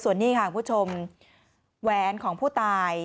ส่วนนี้ค่ะคุณผู้ชมแหวนของผู้ตาย